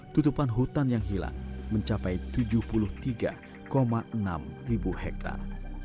tutupan hutan yang hilang mencapai tujuh puluh tiga enam ribu hektare